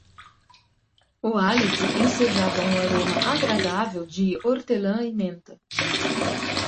O hálito ensejava um aroma agradável de hortelã e menta